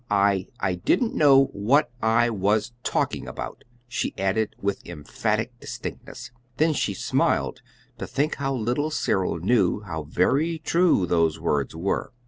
"I I didn't know WHAT I was talking about," she added with emphatic distinctness. Then she smiled to think how little Cyril knew how very true those words were.